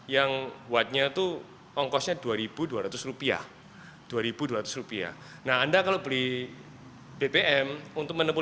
yang buatnya tuh ongkosnya dua ribu dua ratus rupiah dua ribu dua ratus rupiah nah anda kalau beli bbm untuk menempuh